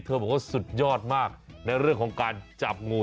บอกว่าสุดยอดมากในเรื่องของการจับงู